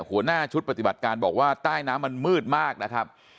หัวหน้าชุดปฏิบัติการบอกว่าใต้น้ำมันมืดมากนะครับ